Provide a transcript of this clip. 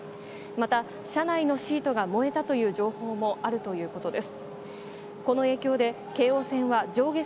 また車内のシートが燃えたという情報もあるということです。